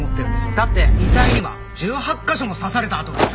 だって遺体には１８カ所も刺された痕があった。